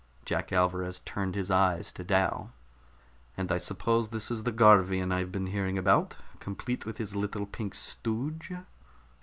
Jack Alvarez turned his eyes to Dal. "And I suppose this is the Garvian I've been hearing about, complete with his little pink stooge."